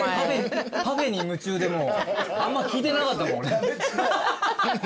パフェに夢中であんま聞いてなかったもん俺。